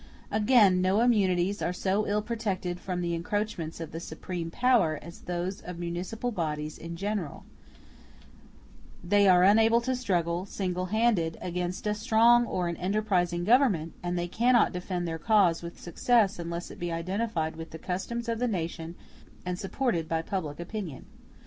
Again, no immunities are so ill protected from the encroachments of the supreme power as those of municipal bodies in general: they are unable to struggle, single handed, against a strong or an enterprising government, and they cannot defend their cause with success unless it be identified with the customs of the nation and supported by public opinion.